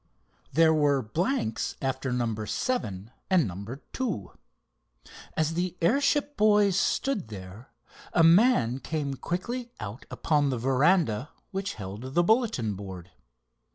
There were blanks after number seven and number two. As the airship boys stood there, a man came quickly out upon the veranda which held the bulletin board.